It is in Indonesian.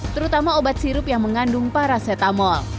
terutama obat sirup yang mengandung paracetamol